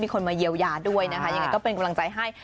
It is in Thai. คนมาเยียวยาด้วยนะคะยังไงก็เป็นกำลังใจให้